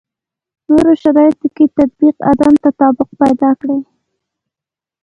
نورو شرایطو کې تطبیق عدم تطابق پیدا کړي.